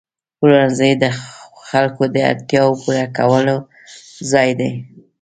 پلورنځی د خلکو د اړتیاوو پوره کولو ځای دی.